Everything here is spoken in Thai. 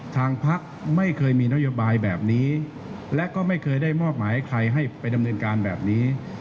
ทางพักไม่เคยมีนโยบายแบบนี้และก็ไม่เคยได้มอบหมายให้ใครให้ไปดำเนินการแบบนี้